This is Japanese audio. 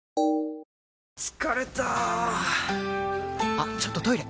あっちょっとトイレ！